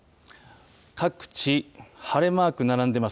各地、晴れマーク並んでます。